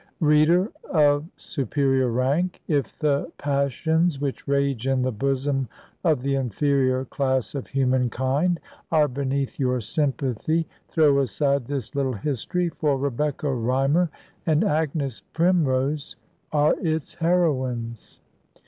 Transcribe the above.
Reader of superior rank, if the passions which rage in the bosom of the inferior class of human kind are beneath your sympathy, throw aside this little history, for Rebecca Rymer and Agnes Primrose are its heroines.